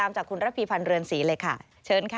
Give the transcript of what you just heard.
จากคุณระพีพันธ์เรือนศรีเลยค่ะเชิญค่ะ